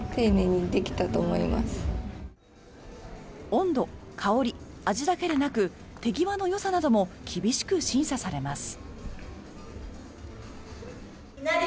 温度、香り、味だけでなく手際のよさなども厳しく審査されます。